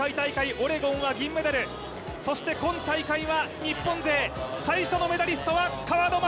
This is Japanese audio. オレゴンは銀メダルそして今大会は日本勢最初のメダリストは川野将